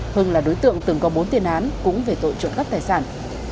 hưng là đối tượng từng có bốn tiền án cũng về tội trộm cắp tài sản